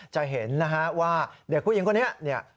จะเห็นนะฮะว่าเด็กผู้หญิงคนนี้เนี่ย